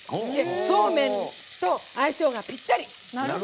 そうめんと相性がぴったり！